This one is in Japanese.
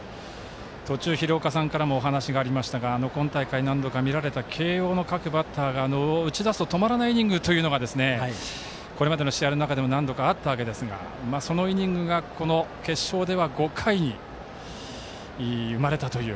途中、廣岡さんからもお話がありましたが今大会も何度か見られた慶応の各バッターが打ち出すと止まらないイニングがこれまでの試合の中でも何度かあったわけですがそのイニングが決勝では５回に生まれたという。